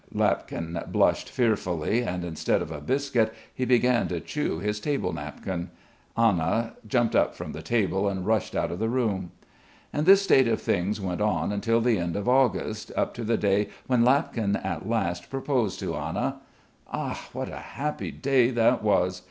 Ah ha!" Lapkin blushed fearfully and instead of a biscuit he began to chew his table napkin. Anna jumped up from the table and rushed out of the room. And this state of things went on until the end of August, up to the day when Lapkin at last proposed to Anna. Ah! What a happy day that was!